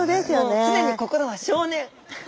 もう常に心は少年。